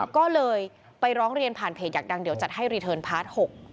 ก็เลยไปร้องเรียนผ่านเพจอยากดังเดี๋ยวจัดให้รีเทิร์นพาร์ท๖